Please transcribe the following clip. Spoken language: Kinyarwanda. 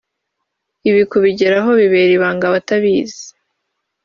Ibi kubigeraho bibera ibanga abatabizi